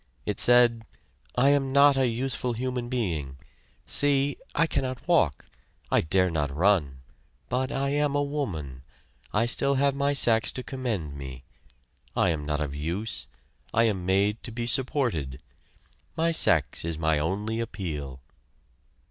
It said: "I am not a useful human being see! I cannot walk I dare not run, but I am a woman I still have my sex to commend me. I am not of use, I am made to be supported. My sex is my only appeal."